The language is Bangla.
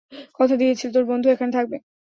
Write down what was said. কথা দিয়েছিলি, তোর বন্ধু এখানে থাকবে।